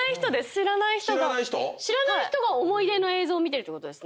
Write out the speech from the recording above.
知らない人が思い出の映像見てるってことですね？